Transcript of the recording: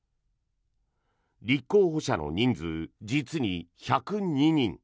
立候補者の人数、実に１０２人。